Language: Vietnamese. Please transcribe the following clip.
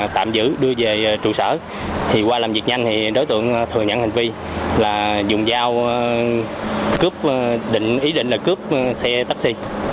tạm giữ đưa về trụ sở thì qua làm việc nhanh thì đối tượng thừa nhận hành vi là dùng dao cướp ý định là cướp xe taxi